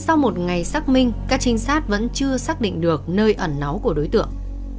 sau một ngày xác minh các trinh sát vẫn chưa xác định được nơi ẩn náu của đối tượng